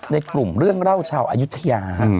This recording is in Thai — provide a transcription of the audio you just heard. ในกลุ่มเรื่องเล่าชาวอายุทยา